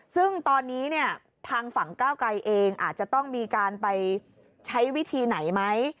ซึ่งตอนนี้เนี่ยทางฝั่งก้าวไกรเองอาจจะต้องมีการไปใช้วิธีไหนไหม